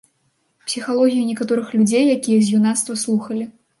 Псіхалогію некаторых людзей, якія з юнацтва слухалі.